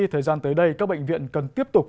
thời gian tới đây các bệnh viện cần tiếp tục